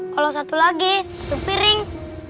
kalau satu lagi untuk piring